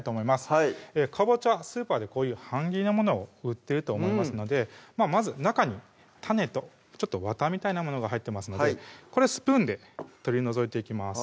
はいかぼちゃスーパーでこういう半切りのものを売ってると思いますのでまず中に種とわたみたいなものが入ってますのでこれスプーンで取り除いていきます